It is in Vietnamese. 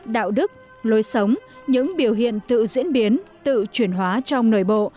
đạo đức lối sống những biểu hiện tự diễn biến tự chuyển hóa trong nội bộ